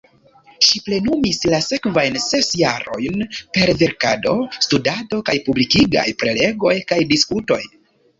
Ŝi plenumis la sekvajn ses jarojn per verkado, studado kaj publikaj prelegoj kaj diskutoj.